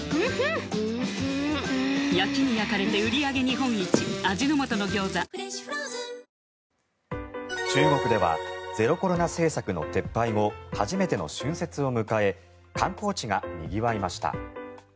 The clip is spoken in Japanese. この１勝は中国ではゼロコロナ政策の撤廃後初めての春節を迎え観光地がにぎわいました。